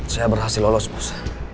saya berhasil lolos bos